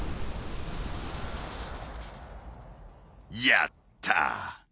やった！